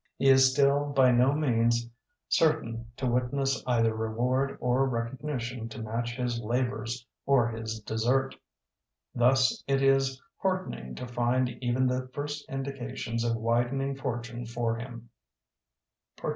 He is still by no means certain to witness either reward or recognition to match his labors or his desert. Thus it is heartening to find even the first indications of widening fortune for him.